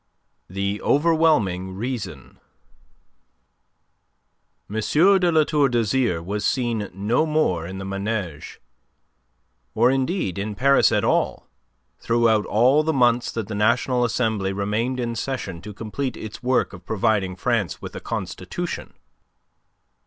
THE OVERWHELMING REASON M. de La Tour d'Azyr was seen no more in the Manege or indeed in Paris at all throughout all the months that the National Assembly remained in session to complete its work of providing France with a constitution.